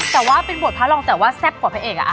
แต่ว่าเป็นบทพระรองศ์แต่แซ่บกว่าแภก